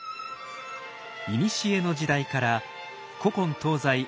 いにしえの時代から古今東西